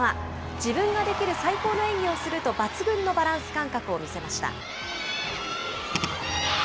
自分ができる最高の演技をすると抜群のバランス感覚を見せました。